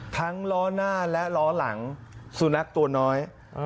ล้อหน้าและล้อหลังสุนัขตัวน้อย